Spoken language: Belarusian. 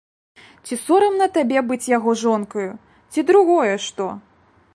Ці сорамна табе быць яго жонкаю, ці другое што?